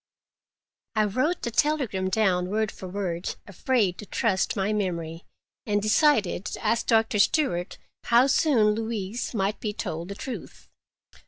I wrote the telegram down word for word, afraid to trust my memory, and decided to ask Doctor Stewart how soon Louise might be told the truth.